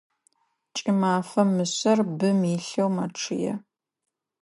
Кӏымафэм мышъэр бым илъэу мэчъые.